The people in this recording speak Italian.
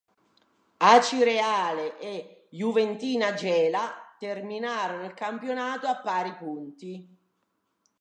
Acireale e Juventina Gela terminarono il campionato a pari punti.